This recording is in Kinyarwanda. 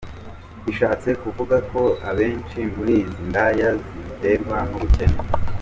Bishatse kuvuga ko abenshi muri izi ndaya zibiterwa n’ubukene.